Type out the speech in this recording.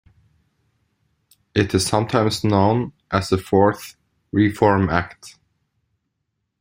It is sometimes known as the Fourth Reform Act.